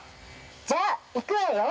じゃあいくわよ！